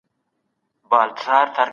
اقتصادي فعاليتونه مهم بلل کېږي.